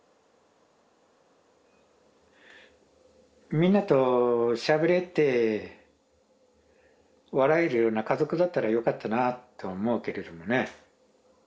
みんなとしゃべれて笑えるような家族だったらよかったなと思うけれどもね。